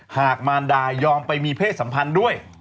หากมารดายอมไปมีเพศสัมพันธ์ด้วย